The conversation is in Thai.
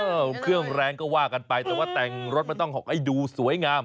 เครื่องแรงก็ว่ากันไปแต่ว่าแต่งรถมันต้องให้ดูสวยงาม